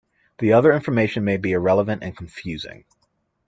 The other information may be irrelevant and confusing.